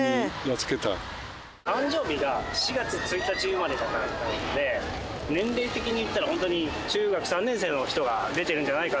誕生日が４月１日生まれだったので年齢的に言ったら本当に中学３年生の人が出てるんじゃないかっていうのに。